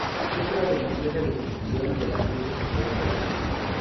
Es una deliciosa descripción de las seis estaciones del año indio.